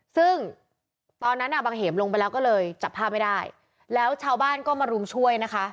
ซึ่งตอนนั้นอ่ะบางเหมลงไปแล้วก็เลยจับภาพไม่ได้แล้วชาวบ้านก็มารุมช่วยนะคะ